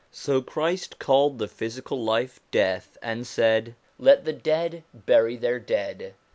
So Christ called the physical life death, and said :' Let the dead bury their dead.'